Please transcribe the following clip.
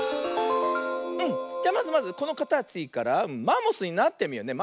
じゃまずまずこのかたちからマンモスになってみようね。